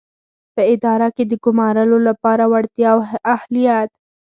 په اداره کې د ګومارنو لپاره وړتیا او اهلیت.